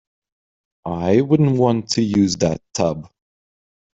I wouldn't want to use that tub.